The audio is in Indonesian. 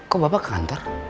kok bapak ke kantor